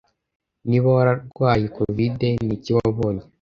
Niba wararwaye covid niki wabonye